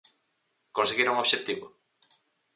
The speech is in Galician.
Conseguiron o obxectivo?